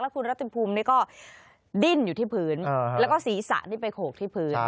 คุณรัติภูมินี่ก็ดิ้นอยู่ที่พื้นแล้วก็ศีรษะนี่ไปโขกที่พื้น